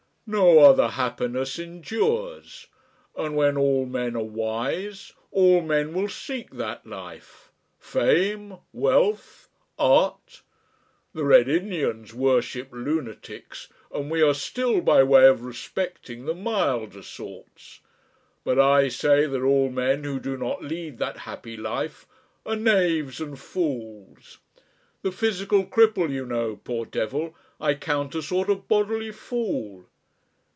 "No other happiness endures. And when all men are wise, all men will seek that life. Fame! Wealth! Art! the Red Indians worship lunatics, and we are still by way of respecting the milder sorts. But I say that all men who do not lead that happy life are knaves and fools. The physical cripple, you know, poor devil, I count a sort of bodily fool."